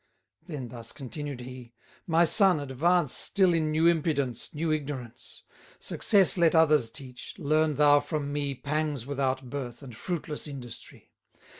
Then thus continued he: My son, advance Still in new impudence, new ignorance. Success let others teach, learn thou from me Pangs without birth, and fruitless industry.